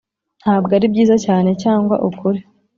ntabwo ari byiza cyane cyangwa ukuri.